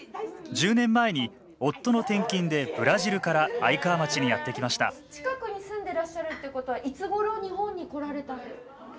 １０年前に夫の転勤でブラジルから愛川町にやって来ました近くに住んでらっしゃるってことはいつごろ日本に来られた。